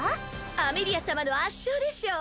アメリア様の圧勝でしょう